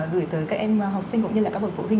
gửi tới các em học sinh cũng như là các bậc phụ huynh